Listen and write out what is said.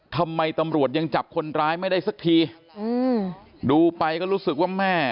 ทำไมตำรวจยังจับคนร้ายไม่ได้สักทีอืมดูไปก็รู้สึกว่าแม่